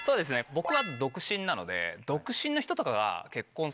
僕は独身なので。